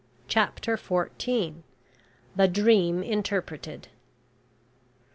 CHAPTER FOURTEEN. THE DREAM INTERPRETED.